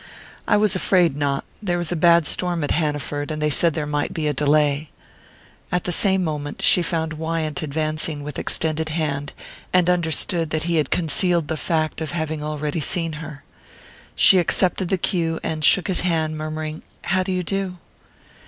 "I was afraid not. There was a bad storm at Hanaford, and they said there might be a delay." At the same moment she found Wyant advancing with extended hand, and understood that he had concealed the fact of having already seen her. She accepted the cue, and shook his hand, murmuring: "How do you do?"